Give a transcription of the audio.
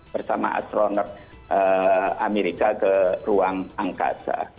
bersama astronot amerika ke ruang angkasa